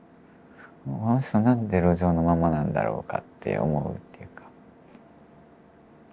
この人何で路上のままなんだろうかって思うっていうか。